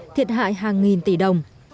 thiệt hại hàng nghìn tỷ đồng